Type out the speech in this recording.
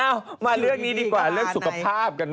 อ้าวมาเลือกนี้ดีกว่าเลือกสุขภาพกัน